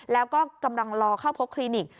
แล้วก็กำลังรอเข้าพบคลินิก